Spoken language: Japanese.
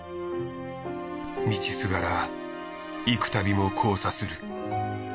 道すがら幾たびも交差する。